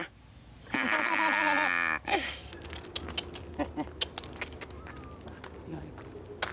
tidak tidak tidak